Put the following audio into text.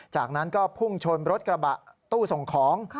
จากนั้นก็พุ่งชนรถกระบะตู้ส่งของ